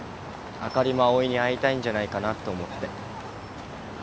あかりも葵に会いたいんじゃないかなと思って。